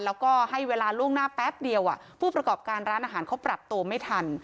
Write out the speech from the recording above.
แล้วก็ให้เวลาล่วงหน้าแป๊บเดียวผู้ประกอบการร้านอาหารเขาปรับตัวไม่ทัน